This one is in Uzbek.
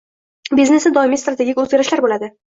Biznesda doimiy strategik oʻzgarishlar boʻladi.